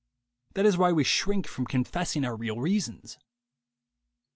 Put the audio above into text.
That is why we shrink from confessing our real reasons.